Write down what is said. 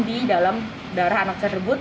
di dalam darah anak tersebut